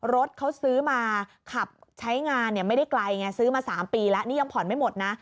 รถเขาซื้อมาขับใช้งานไม่ได้ไกลไงซื้อมา๓ปีแล้วนี่ยังผ่อนไม่หมดนะ